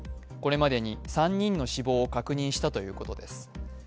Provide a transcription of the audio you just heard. これまでに３人の死亡を確認したということです。